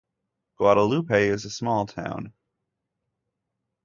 Guadalupe is a small town.